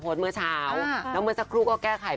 เมื่อเช้าแล้วเมื่อสักครู่ก็แก้ไข